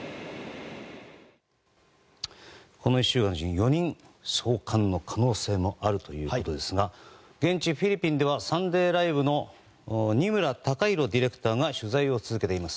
４人送還の可能性もあるということですが現地フィリピンでは「サンデーＬＩＶＥ！！」の二村貴大ディレクターが取材を続けています。